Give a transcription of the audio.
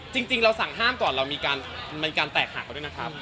จริงเราสั่งห้ามเรามีการแตกห่าง